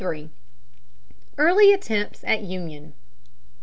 EARLY ATTEMPTS AT UNION.